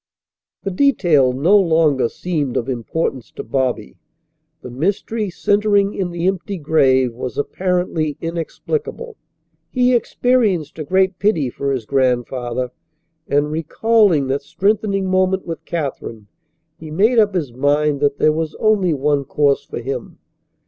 The detail no longer seemed of importance to Bobby. The mystery, centreing in the empty grave, was apparently inexplicable. He experienced a great pity for his grandfather; and, recalling that strengthening moment with Katherine, he made up his mind that there was only one course for him.